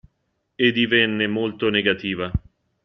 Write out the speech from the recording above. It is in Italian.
E divenne molto negativa.